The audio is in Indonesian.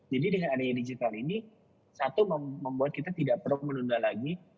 jadi dengan adanya digital ini satu membuat kita tidak perlu menunda lagi